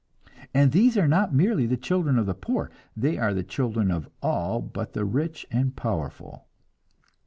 And these are not merely the children of the poor, they are the children of all but the rich and powerful.